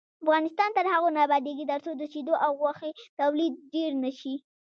افغانستان تر هغو نه ابادیږي، ترڅو د شیدو او غوښې تولید ډیر نشي.